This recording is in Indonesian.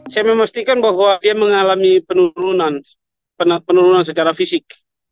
saya memastikan bahwa dia mengalami penurunan secara fisik